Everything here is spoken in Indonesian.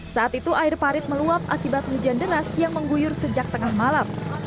saat itu air parit meluap akibat hujan deras yang mengguyur sejak tengah malam